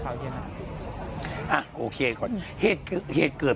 ปรากฏว่าจังหวัดที่ลงจากรถ